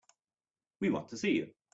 We want to see you.